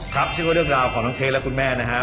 ครับชื่อว่าเรื่องราวของน้องเค้กและคุณแม่นะครับ